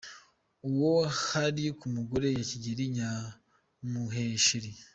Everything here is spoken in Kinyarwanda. Ubwo hari ku ngoma ya Kigeli Nyamuheshera.